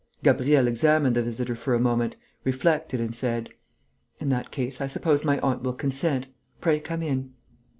Gabriel examined the visitor for a moment, reflected and said: "In that case, I suppose my aunt will consent ... Pray come in."